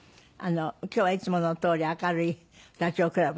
今日はいつものとおり明るいダチョウ倶楽部で。